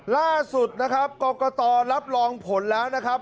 ล่าสุดนะครับกรกตรับรองผลแล้วนะครับ